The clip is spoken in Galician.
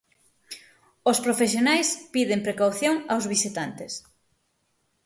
Os profesionais piden precaución aos visitantes.